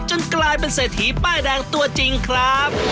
กลายเป็นเศรษฐีป้ายแดงตัวจริงครับ